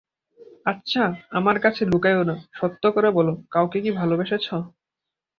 আচ্ছা, আমার কাছে লুকিয়ো না, সত্যি করে বলো, কাউকে কি ভালোবেসেছ?